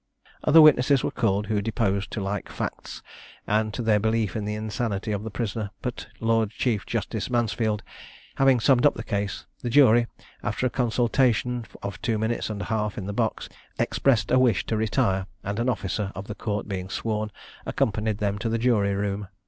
Other witnesses were called, who deposed to like facts and to their belief in the insanity of the prisoner, but Lord Chief Justice Mansfield having summed up the case, the jury, after a consultation of two minutes and a half in the box, expressed a wish to retire; and an officer of the court being sworn, accompanied them to the jury room.